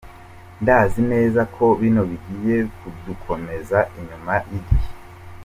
"Ndazi neza ko bino bigiye kudukomeza inyuma y'igihe.